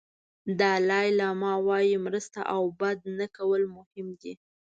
دالای لاما وایي مرسته او بد نه کول مهم دي.